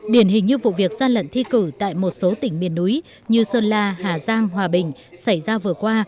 điển hình như vụ việc gian lận thi cử tại một số tỉnh miền núi như sơn la hà giang hòa bình xảy ra vừa qua